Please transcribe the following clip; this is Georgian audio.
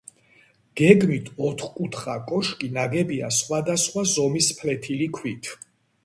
გეგმით ოთხკუთხა კოშკი ნაგებია სხვადასხვა ზომის ფლეთილი ქვით.